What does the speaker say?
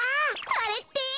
あれって？